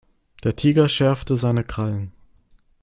Der Tiger schärfte seine Krallen.